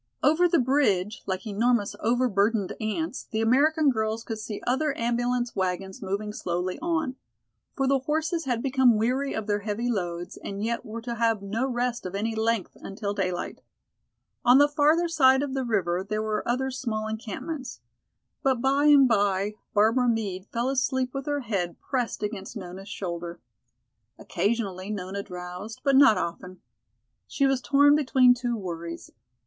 Over the bridge, like enormous over burdened ants, the American girls could see other ambulance wagons moving slowly on. For the horses had become weary of their heavy loads and yet were to have no rest of any length until daylight. On the farther side of the river there were other small encampments. But by and by Barbara Meade fell asleep with her head pressed against Nona's shoulder. Occasionally Nona drowsed, but not often. She was torn between two worries.